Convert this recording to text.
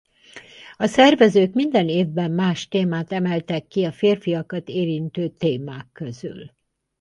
A szervezők minden évben más témát emeltek ki a férfiakat érintő témák közül.